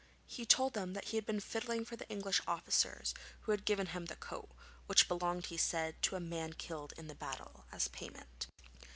He told them that he had been fiddling for the English officers, who had given him the coat (which belonged, he said, to a man killed in the battle) as payment.